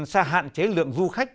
sẽ hạn chế lượng du khách